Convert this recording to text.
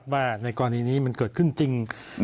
ว่าในกรณีนี้มันเกิดขึ้นจริง